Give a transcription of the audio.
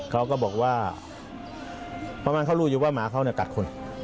เขาก็บอกว่าเพราะมันเขารู้อยู่ว่าหมาเขากัดคน